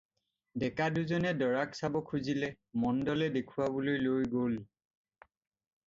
ডেকা দুজনে দৰাক চাব খুজিলে, মণ্ডলে দেখুৱাবলৈ লৈ গ'ল।